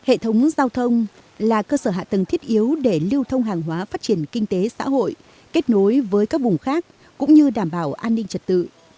hệ thống giao thông là cơ sở hạ tầng thiết yếu để lưu thông hàng hóa phát triển kinh tế xã hội kết nối với các vùng khác cũng như đảm bảo an ninh trật tự